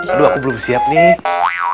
aduh aku belum siap nih